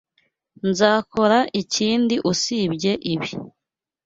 Nzakora ikindi usibye ibi.